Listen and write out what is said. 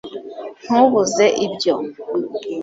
ntubuze ibyo